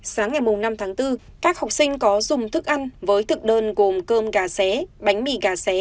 sáng ngày năm tháng bốn các học sinh có dùng thức ăn với thực đơn gồm cơm gà xé bánh mì gà xé